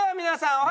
「皆さん」。